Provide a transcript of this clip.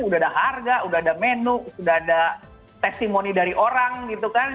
udah ada harga udah ada menu sudah ada testimoni dari orang gitu kan